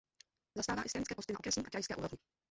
Zastává i stranické posty na okresní a krajské úrovni.